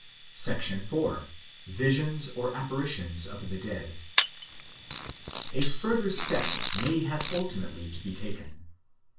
Visions or Apparitions of the Dead A further step may have ultimately to be taken.